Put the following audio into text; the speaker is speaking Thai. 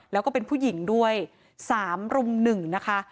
แล้วก็เป็นผู้หญิงด้วย๓รุ่ม๑นะคะ